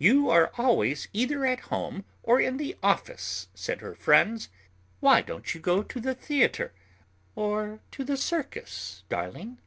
"You are always either at home or in the office," said her friends. "Why don't you go to the theatre or to the circus, darling?"